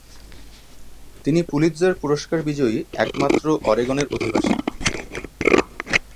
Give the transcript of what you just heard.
তিনি পুলিৎজার পুরস্কার বিজয়ী একমাত্র অরেগনের অধিবাসী।